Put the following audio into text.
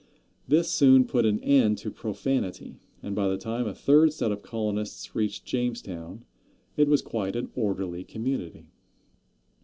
This soon put an end to profanity, and by the time a third set of colonists reached Jamestown it was quite an orderly community.